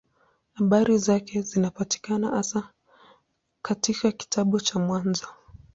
Habari zake zinapatikana hasa katika kitabu cha Mwanzo.